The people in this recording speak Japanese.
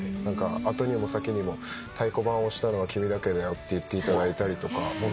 後にも先にも太鼓判押したのは君だけだよって言っていただいたりとか。